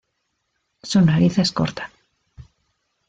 Su nariz es corta.